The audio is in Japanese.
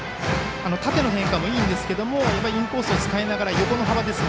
縦の変化もいいんですがやっぱりインコースを使いながら横の幅ですね。